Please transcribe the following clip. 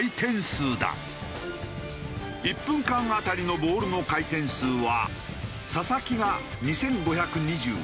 １分間当たりのボールの回転数は佐々木が２５２０。